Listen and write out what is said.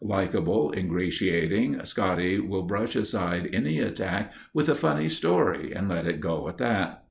Likable, ingratiating, Scotty will brush aside any attack with a funny story and let it go at that.